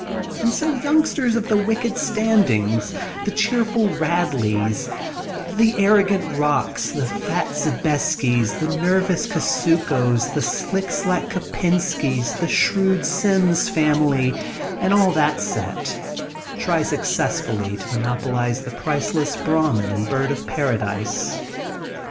And so youngsters of the Wicked Stand ings, the Cheerful Radleys, the Arrogant Bocks, the Fat Zebeskys, the Nervous Kus ukos, the Slick Slack Kopenskys, the Shrewd Sims family, and all that set try successfully to monopolize the priceless Brahmin and Bird of Paradise.